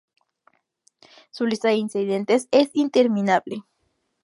Su lista de incidentes es interminable.